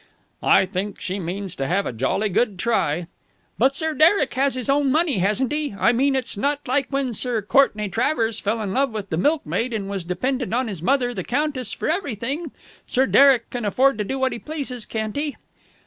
"I think she means to have a jolly good try." "But Sir Derek has his own money, hasn't he? I mean it's not like when Sir Courtenay Travers fell in love with the milkmaid and was dependent on his mother, the Countess, for everything. Sir Derek can afford to do what he pleases, can't he?"